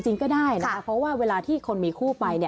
จริงก็ได้นะคะเพราะว่าเวลาที่คนมีคู่ไปเนี่ย